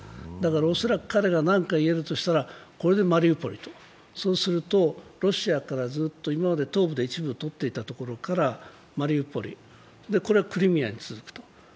恐らく彼が何か言えるとしたら、これでマリウポリと、そうするとロシアから、ずっと東部で一部取っていたところから、マリウポリ、これがクリミアに続くと。